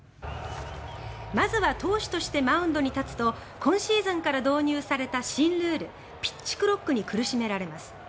まずは投手としてマウンドに立つと今シーズンから導入された新ルール、ピッチクロックに苦しめられます。